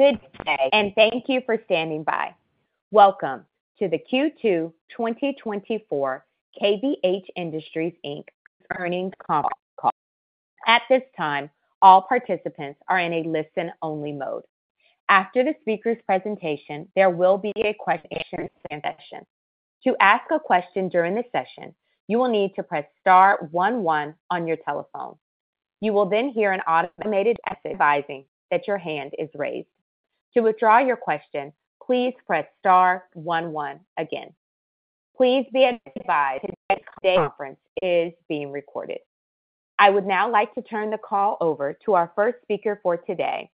Good day, and thank you for standing by. Welcome to the Q2 2024 KVH Industries, Inc. Earnings Conference Call. At this time, all participants are in a listen-only mode. After the speaker's presentation, there will be a question and answer session. To ask a question during the session, you will need to press star one one on your telephone. You will then hear an automated message advising that your hand is raised. To withdraw your question, please press star one one again. Please be advised that today's conference is being recorded. I would now like to turn the call over to our first speaker for today,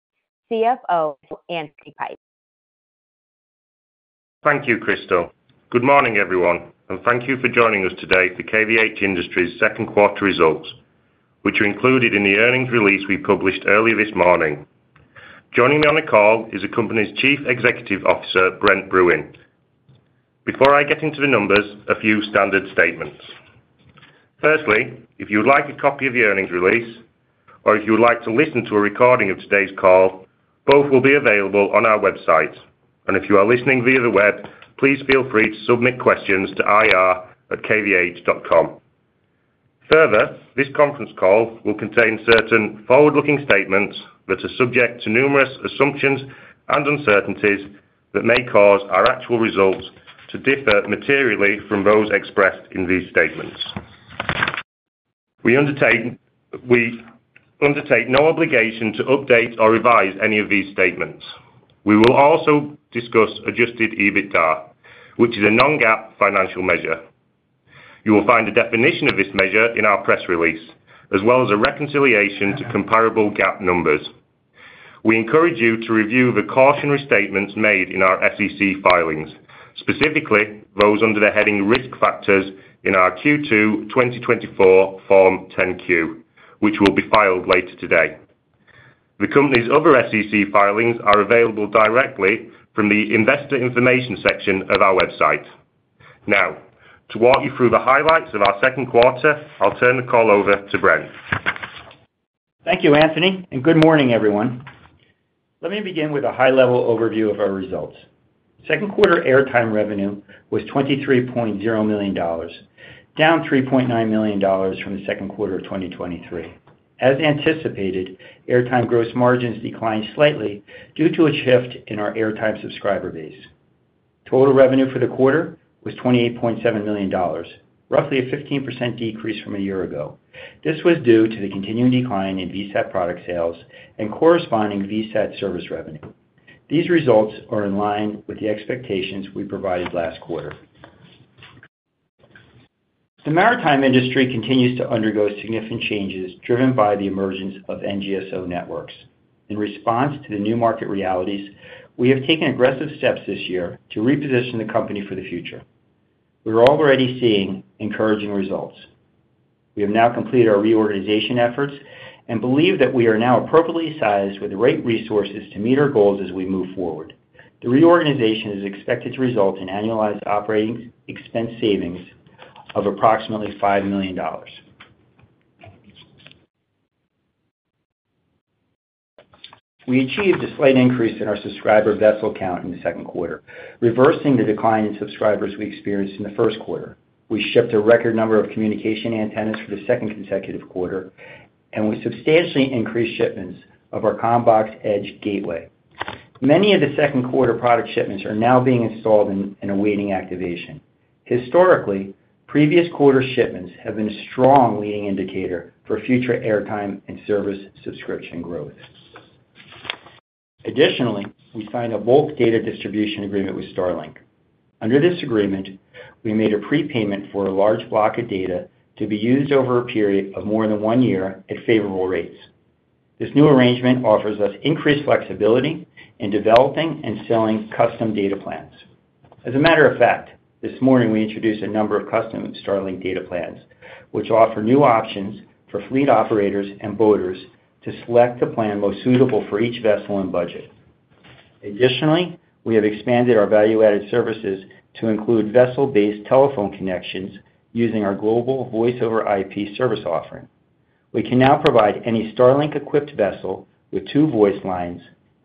CFO, Anthony Pike. Thank you, Crystal. Good morning, everyone, and thank you for joining us today for KVH Industries' Second Quarter Results, which are included in the earnings release we published earlier this morning. Joining me on the call is the company's Chief Executive Officer, Brent Bruun. Before I get into the numbers, a few standard statements. Firstly, if you would like a copy of the earnings release or if you would like to listen to a recording of today's call, both will be available on our website. If you are listening via the web, please feel free to submit questions to ir@kvh.com. Further, this conference call will contain certain forward-looking statements that are subject to numerous assumptions and uncertainties that may cause our actual results to differ materially from those expressed in these statements. We undertake, we undertake no obligation to update or revise any of these statements. We will also discuss Adjusted EBITDA, which is a non-GAAP financial measure. You will find a definition of this measure in our press release, as well as a reconciliation to comparable GAAP numbers. We encourage you to review the cautionary statements made in our SEC filings, specifically those under the heading Risk Factors in our Q2 2024 Form 10-Q, which will be filed later today. The company's other SEC filings are available directly from the Investor Information section of our website. Now, to walk you through the highlights of our second quarter, I'll turn the call over to Brent. Thank you, Anthony, and good morning, everyone. Let me begin with a high-level overview of our results. Second quarter airtime revenue was $23.0 million, down $3.9 million from the second quarter of 2023. As anticipated, airtime gross margins declined slightly due to a shift in our airtime subscriber base. Total revenue for the quarter was $28.7 million, roughly a 15% decrease from a year ago. This was due to the continuing decline in VSAT product sales and corresponding VSAT service revenue. These results are in line with the expectations we provided last quarter. The maritime industry continues to undergo significant changes driven by the emergence of NGSO networks. In response to the new market realities, we have taken aggressive steps this year to reposition the company for the future. We are already seeing encouraging results. We have now completed our reorganization efforts and believe that we are now appropriately sized with the right resources to meet our goals as we move forward. The reorganization is expected to result in annualized operating expense savings of approximately $5 million. We achieved a slight increase in our subscriber vessel count in the second quarter, reversing the decline in subscribers we experienced in the first quarter. We shipped a record number of communication antennas for the second consecutive quarter, and we substantially increased shipments of our CommBox Edge gateway. Many of the second quarter product shipments are now being installed and awaiting activation. Historically, previous quarter shipments have been a strong leading indicator for future airtime and service subscription growth. Additionally, we signed a bulk data distribution agreement with Starlink. Under this agreement, we made a prepayment for a large block of data to be used over a period of more than one year at favorable rates. This new arrangement offers us increased flexibility in developing and selling custom data plans. As a matter of fact, this morning we introduced a number of custom Starlink data plans, which offer new options for fleet operators and boaters to select the plan most suitable for each vessel and budget. Additionally, we have expanded our value-added services to include vessel-based telephone connections using our global Voice over IP service offering. We can now provide any Starlink-equipped vessel with two voice lines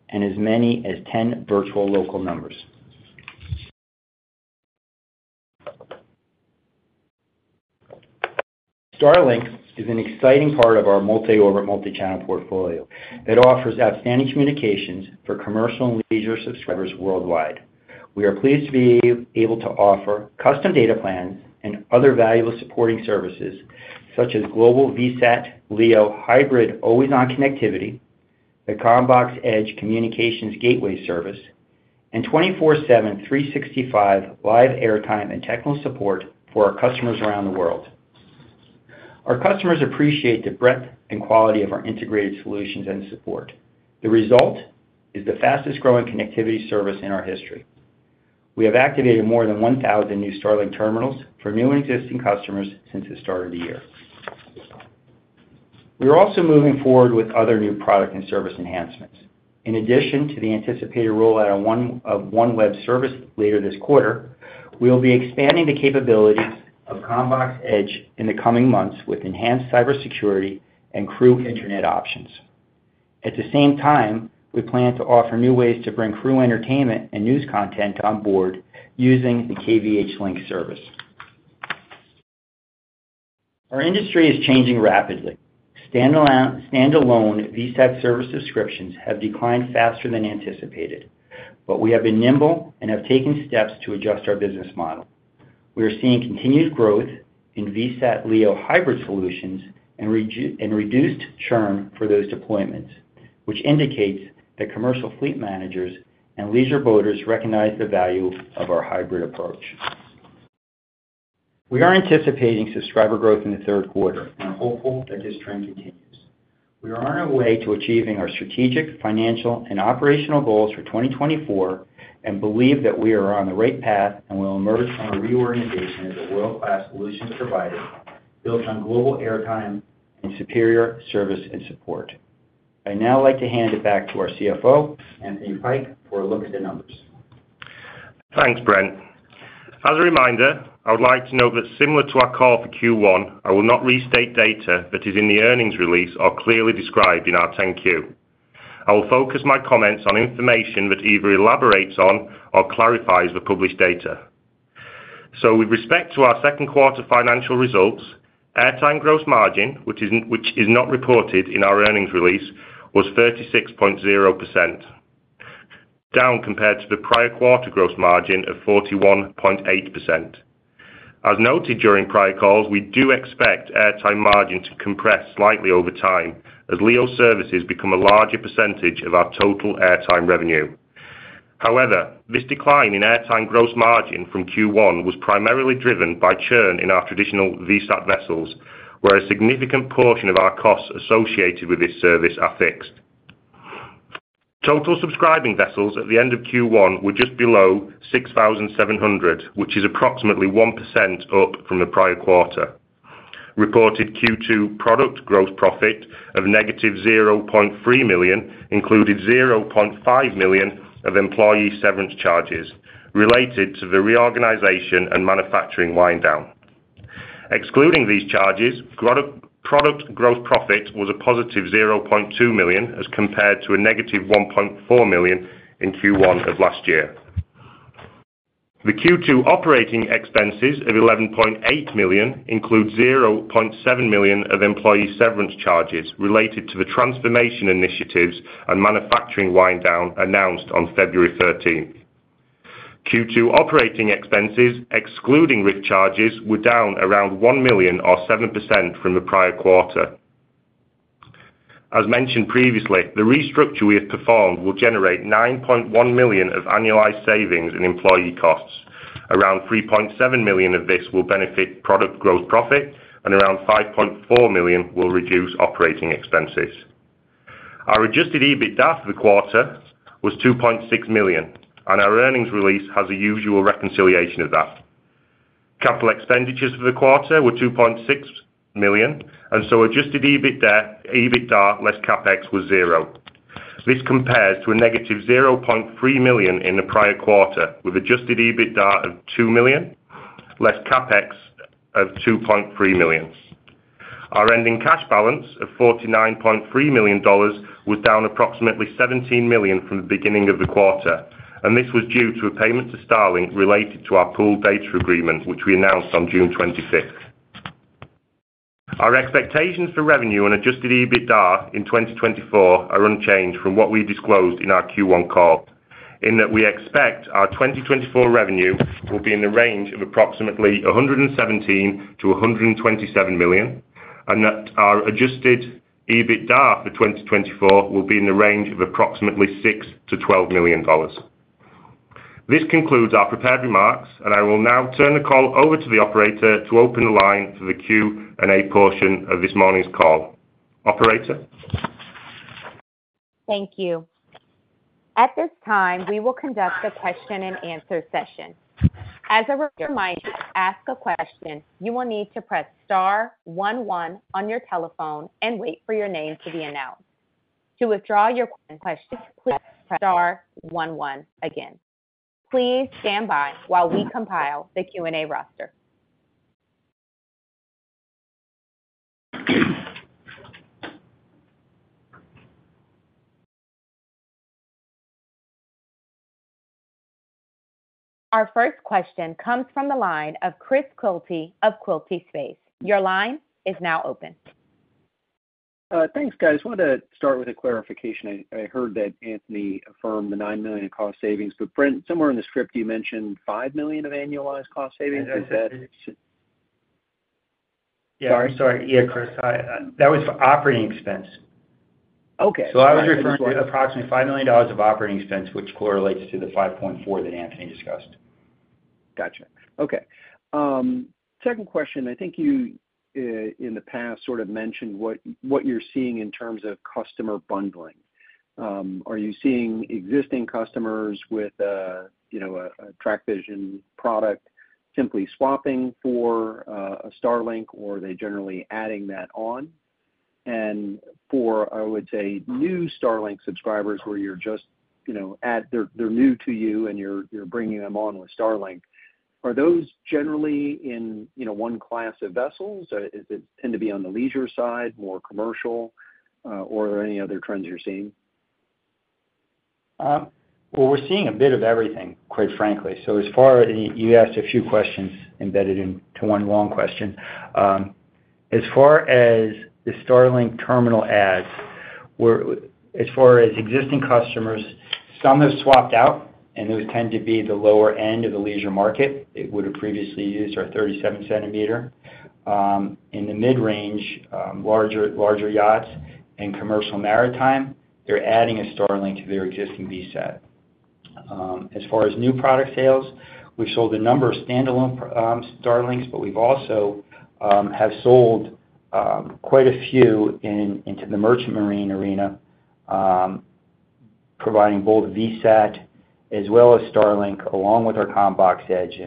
and as many as 10 virtual local numbers. Starlink is an exciting part of our multi-orbit, multi-channel portfolio. It offers outstanding communications for commercial and leisure subscribers worldwide. We are pleased to be able to offer custom data plans and other valuable supporting services, such as global VSAT, LEO, hybrid, always-on connectivity, the CommBox Edge Communications Gateway service, and 24/7, 365 live airtime and technical support for our customers around the world. Our customers appreciate the breadth and quality of our integrated solutions and support. The result is the fastest growing connectivity service in our history. We have activated more than 1000 new Starlink terminals for new and existing customers since the start of the year. We are also moving forward with other new product and service enhancements. In addition to the anticipated rollout of OneWeb service later this quarter... We will be expanding the capabilities of CommBox Edge in the coming months with enhanced cybersecurity and crew internet options. At the same time, we plan to offer new ways to bring crew entertainment and news content on board using the KVH Link service. Our industry is changing rapidly. Standalone VSAT service subscriptions have declined faster than anticipated, but we have been nimble and have taken steps to adjust our business model. We are seeing continued growth in VSAT LEO hybrid solutions and reduced churn for those deployments, which indicates that commercial fleet managers and leisure boaters recognize the value of our hybrid approach. We are anticipating subscriber growth in the third quarter and are hopeful that this trend continues. We are on our way to achieving our strategic, financial, and operational goals for 2024, and believe that we are on the right path and will emerge from our reorganization as a world-class solutions provider, built on global airtime and superior service and support. I'd now like to hand it back to our CFO, Anthony Pike, for a look at the numbers. Thanks, Brent. As a reminder, I would like to note that similar to our call for Q1, I will not restate data that is in the earnings release or clearly described in our 10-Q. I will focus my comments on information that either elaborates on or clarifies the published data. So with respect to our second quarter financial results, airtime gross margin, which is not reported in our earnings release, was 36.0%, down compared to the prior quarter gross margin of 41.8%. As noted during prior calls, we do expect airtime margin to compress slightly over time as LEO services become a larger percentage of our total airtime revenue. However, this decline in airtime gross margin from Q1 was primarily driven by churn in our traditional VSAT vessels, where a significant portion of our costs associated with this service are fixed. Total subscribing vessels at the end of Q1 were just below 6,700, which is approximately 1% up from the prior quarter. Reported Q2 product gross profit of -$0.3 million included $0.5 million of employee severance charges related to the reorganization and manufacturing wind down. Excluding these charges, product gross profit was a positive $0.2 million, as compared to a -$1.4 million in Q1 of last year. The Q2 operating expenses of $11.8 million include $0.7 million of employee severance charges related to the transformation initiatives and manufacturing wind down announced on February 13. Q2 operating expenses, excluding RIF charges, were down around $1 million or 7% from the prior quarter. As mentioned previously, the restructure we have performed will generate $9.1 million of annualized savings in employee costs. Around $3.7 million of this will benefit product gross profit, and around $5.4 million will reduce operating expenses. Our adjusted EBITDA for the quarter was $2.6 million, and our earnings release has the usual reconciliation of that. Capital expenditures for the quarter were $2.6 million, and so adjusted EBITDA less CapEx was 0. This compares to a negative $0.3 million in the prior quarter, with Adjusted EBITDA of $2 million, less CapEx of $2.3 million. Our ending cash balance of $49.3 million was down approximately $17 million from the beginning of the quarter, and this was due to a payment to Starlink related to our pooled data agreement, which we announced on June 25th. Our expectations for revenue and adjusted EBITDA in 2024 are unchanged from what we disclosed in our Q1 call, in that we expect our 2024 revenue will be in the range of approximately $117 million-$127 million, and that our adjusted EBITDA for 2024 will be in the range of approximately $6 million-$12 million. This concludes our prepared remarks, and I will now turn the call over to the operator to open the line for the Q&A portion of this morning's call. Operator? Thank you. At this time, we will conduct a question-and-answer session. As a reminder, to ask a question, you will need to press star one one on your telephone and wait for your name to be announced. To withdraw your question, please press star one one again. Please stand by while we compile the Q&A roster. Our first question comes from the line of Chris Quilty of Quilty Space. Your line is now open. Thanks, guys. I wanted to start with a clarification. I heard that Anthony affirmed the $9 million cost savings, but Brent, somewhere in the script, you mentioned $5 million of annualized cost savings. Is that- Yeah, sorry. Yeah, Chris, that was for operating expense. Okay. I was referring to approximately $5 million of operating expense, which correlates to the $5.4 that Anthony discussed. Gotcha. Okay. Second question, I think you in the past sort of mentioned what you're seeing in terms of customer bundling. Are you seeing existing customers with you know a TracVision product simply swapping for a Starlink, or are they generally adding that on? And for, I would say, new Starlink subscribers, where you're just you know they're new to you, and you're bringing them on with Starlink. Are those generally in you know one class of vessels? Is it tend to be on the leisure side, more commercial, or are there any other trends you're seeing? Well, we're seeing a bit of everything, quite frankly. So as far as, you asked a few questions embedded into one long question. As far as the Starlink terminal adds, as far as existing customers, some have swapped out, and those tend to be the lower end of the leisure market. It would have previously used our 37 cm. In the mid-range, larger yachts and commercial maritime, they're adding a Starlink to their existing VSAT. As far as new product sales, we've sold a number of standalone Starlinks, but we've also have sold quite a few into the merchant marine arena, providing both VSAT as well as Starlink, along with our CommBox Edge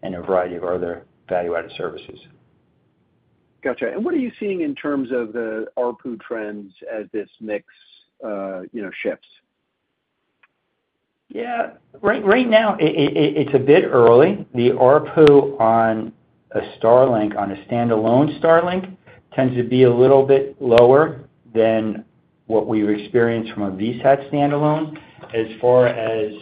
and a variety of other value-added services. Gotcha. And what are you seeing in terms of the ARPU trends as this mix, you know, shifts? Yeah, right, right now it's a bit early. The ARPU on a Starlink, on a standalone Starlink, tends to be a little bit lower than what we've experienced from a VSAT standalone. As far as...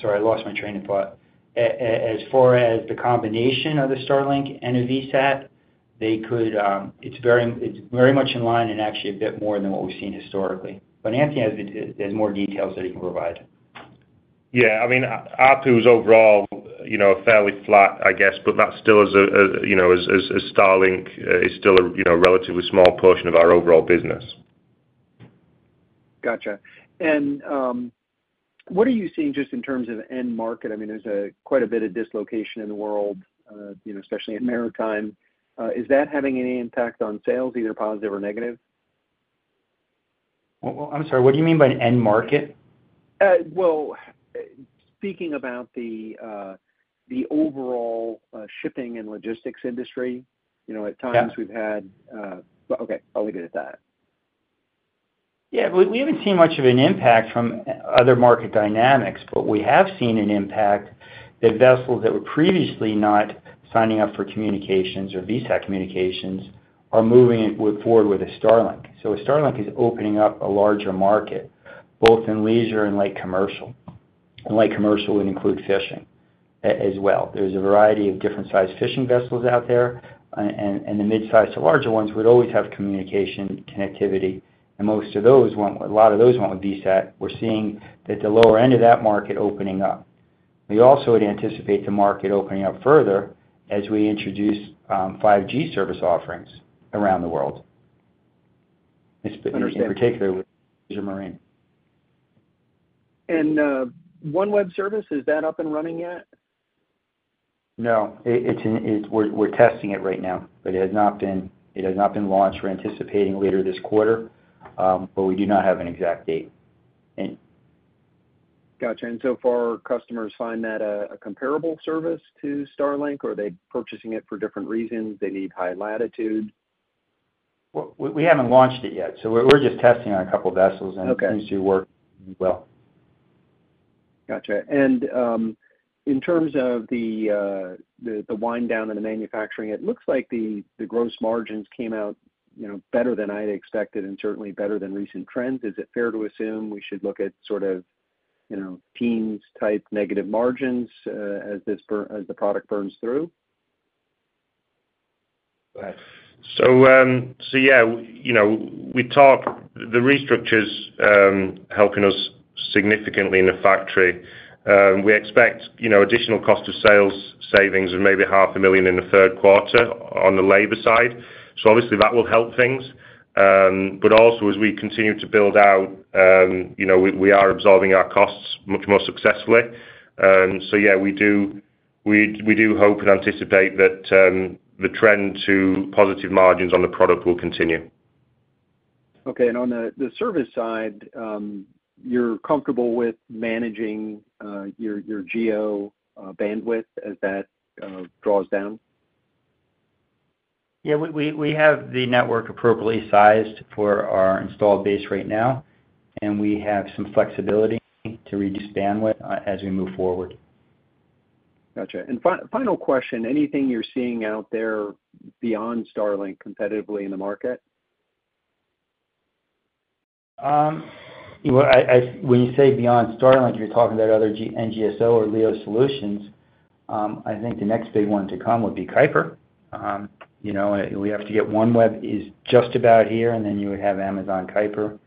Sorry, I lost my train of thought. As far as the combination of the Starlink and a VSAT, it's very much in line and actually a bit more than what we've seen historically. But Anthony has more details that he can provide. Yeah, I mean, ARPU is overall, you know, fairly flat, I guess, but that still is a, you know, as Starlink is still a, you know, relatively small portion of our overall business. Gotcha. And, what are you seeing just in terms of end market? I mean, there's quite a bit of dislocation in the world, you know, especially in maritime. Is that having any impact on sales, either positive or negative? Well, I'm sorry, what do you mean by end market? Well, speaking about the overall shipping and logistics industry, you know- Yeah.... at times we've had, okay, I'll leave it at that. Yeah, we, we haven't seen much of an impact from other market dynamics, but we have seen an impact that vessels that were previously not signing up for communications or VSAT communications are moving forward with a Starlink. So a Starlink is opening up a larger market, both in leisure and light commercial, and light commercial would include fishing as well. There's a variety of different-sized fishing vessels out there, and the midsize to larger ones would always have communication connectivity, and most of those want—a lot of those want a VSAT. We're seeing that the lower end of that market opening up. We also would anticipate the market opening up further as we introduce 5G service offerings around the world. Understood. In particular with marine. OneWeb service, is that up and running yet? No, it's in testing right now, but it has not been launched. We're anticipating later this quarter, but we do not have an exact date. And- Gotcha. And so far, customers find that a comparable service to Starlink, or are they purchasing it for different reasons? They need high latitude. Well, we haven't launched it yet, so we're just testing on a couple vessels- Okay.... and it seems to work well. Gotcha. And in terms of the wind down in the manufacturing, it looks like the gross margins came out, you know, better than I'd expected and certainly better than recent trends. Is it fair to assume we should look at sort of, you know, teens-type negative margins as this burn, as the product burns through? So yeah, you know, we talk, the restructure's helping us significantly in the factory. We expect, you know, additional cost of sales savings of maybe $500,000 in the third quarter on the labor side. So obviously, that will help things. But also, as we continue to build out, you know, we are absorbing our costs much more successfully. So yeah, we do hope and anticipate that the trend to positive margins on the product will continue. Okay. And on the service side, you're comfortable with managing your geo bandwidth as that draws down? Yeah, we have the network appropriately sized for our installed base right now, and we have some flexibility to reduce bandwidth as we move forward. Gotcha. And final question, anything you're seeing out there beyond Starlink competitively in the market? Well, when you say beyond Starlink, you're talking about other NGSO or LEO solutions. I think the next big one to come would be Kuiper. You know, we have to get OneWeb is just about here, and then you would have Amazon Kuiper.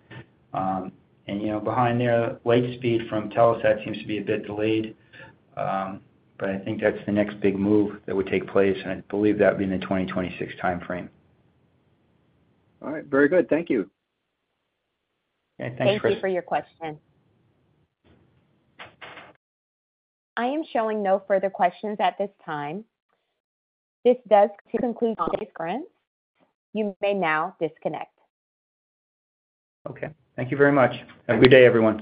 And, you know, behind there, Lightspeed from Telesat seems to be a bit delayed, but I think that's the next big move that would take place, and I believe that would be in the 2026 timeframe. All right. Very good. Thank you. Yeah. Thanks, Chris. Thank you for your question. I am showing no further questions at this time. This does conclude conference. You may now disconnect. Okay, thank you very much. Have a good day, everyone.